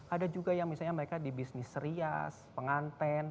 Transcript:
ada juga yang misalnya mereka di bisnis serias penganten